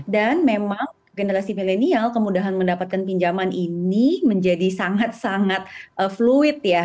dan memang generasi milenial kemudahan mendapatkan pinjaman ini menjadi sangat sangat fluid ya